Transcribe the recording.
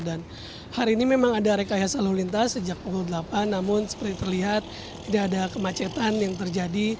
dan hari ini memang ada rekayasa lalu lintas sejak pukul delapan namun seperti terlihat tidak ada kemacetan yang terjadi